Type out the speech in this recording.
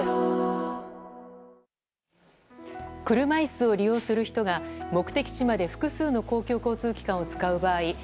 車椅子を利用する人が目的地まで複数の公共交通機関を使う場合